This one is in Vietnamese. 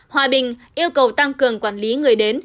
hòa bình yêu cầu tăng cường quản lý người đến